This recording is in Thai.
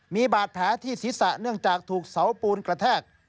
มีบาดแผลที่ศีรษะเนื่องจากถูกเสาปูนกระแทก